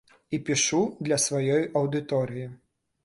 І пішу для сваёй аўдыторыі.